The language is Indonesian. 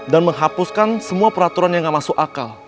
dan menghapuskan semua peraturan yang gak masuk akal